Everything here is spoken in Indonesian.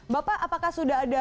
bapak apakah sudah ada